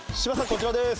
こちらです。